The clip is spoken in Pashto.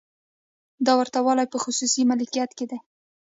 دا ورته والی په خصوصي مالکیت کې دی.